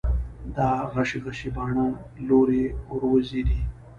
دا غشي غشي باڼه، لورې وروځې دي